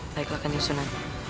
baiklah kanjeng sunan